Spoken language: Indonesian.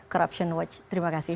corruption watch terima kasih